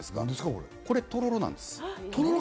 これ、とろろなんです。